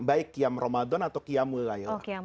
baik qiyam ramadan atau qiyamul laila